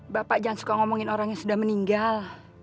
bapak jangan suka ngomongin orang yang sudah meninggal